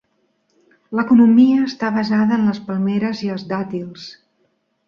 L'economia està basada en les palmeres i els dàtils.